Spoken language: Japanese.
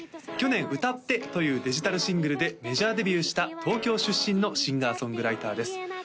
去年「歌って」というデジタルシングルでメジャーデビューした東京出身のシンガー・ソングライターです